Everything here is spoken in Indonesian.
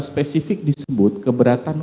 spesifik disebut keberatan